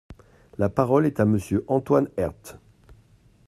La parole est à Monsieur Antoine Herth.